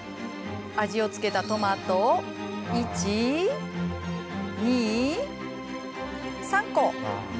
味を付けたトマトを１、２、３個。